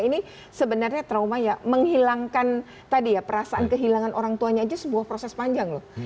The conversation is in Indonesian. ini sebenarnya trauma ya menghilangkan tadi ya perasaan kehilangan orang tuanya aja sebuah proses panjang loh